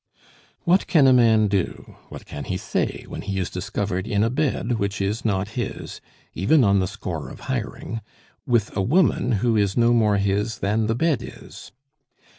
What can a man do, what can he say, when he is discovered in a bed which is not his, even on the score of hiring, with a woman who is no more his than the bed is?